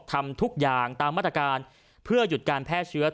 ทำทุกอย่างตามมาตรการเพื่อหยุดการแพร่เชื้อ